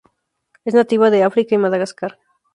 Es nativa de África y Madagascar.